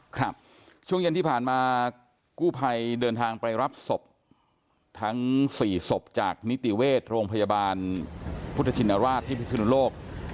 ครับช่วงเย็นที่ผ่านมากู้ภัยเดินทางไปรับศพทั้ง๔ศพจากนิติเวชโรงพยาบาลพุทธชินราชที่พิศนุโลก